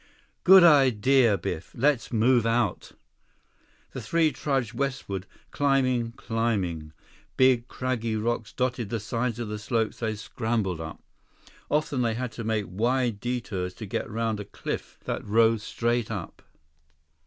"Good idea, Biff. Let's move out." The three trudged westward, climbing, climbing. Big, craggy rocks dotted the sides of the slopes they scrambled up. Often they had to make wide detours to get around a cliff that rose straight up.